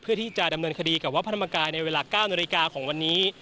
เพื่อที่จะดำเนินคดีกับวัดพระธรรมกายในเวลา๙นาฬิกาของวันนี้